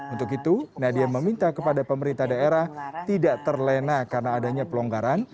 untuk itu nadia meminta kepada pemerintah daerah tidak terlena karena adanya pelonggaran